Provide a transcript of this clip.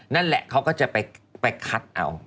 นั่นแหละเขาก็จะไปคัดเอา